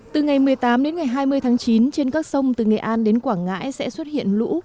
từ ngày một mươi tám đến ngày hai mươi tháng chín trên các sông từ nghệ an đến quảng ngãi sẽ xuất hiện lũ